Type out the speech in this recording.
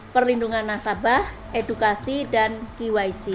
perlindungan nasabah edukasi dan kyc